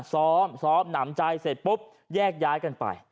ซ้อมซ้อมหนำใจเสร็จปุ๊บแยกย้ายกันไป